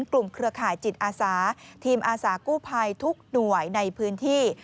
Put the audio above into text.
เครือข่ายจิตอาสาทีมอาสากู้ภัยทุกหน่วยในพื้นที่